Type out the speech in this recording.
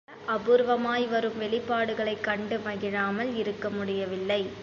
அதுபோல அபூர்வமாய் வரும் வெளிப்பாடுகளைக் கண்டு மகிழாமல் இருக்க முடியவில்லை.